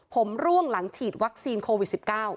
ผมร่วงหลังฉีดวัคซีนโควิด๑๙